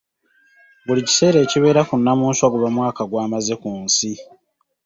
Buli kiseera ekibeera ku Nnamunswa guba mwaka gwamaze kunsi.